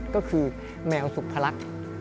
ก็คือแมวสุขพระรักษ์